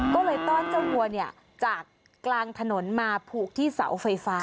ก็เลยต้อนเจ้าวัวจากกลางถนนมาผูกที่เสาไฟฟ้า